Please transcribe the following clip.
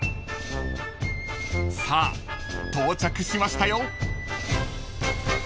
［さあ到着しましたよ］